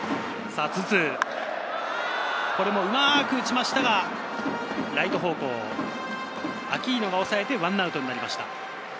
うまく打ちましたが、ライト方向、アキーノが抑えて１アウトになりました。